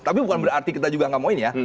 tapi bukan berarti kita juga nggak mau ini ya